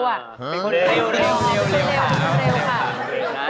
เหรอค่ะ